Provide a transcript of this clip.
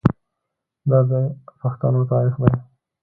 دا د پښتنو تاریخ دی.